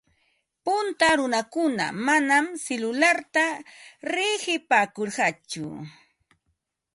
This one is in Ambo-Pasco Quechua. Punta runakuna manam silularta riqipaakurqatsu.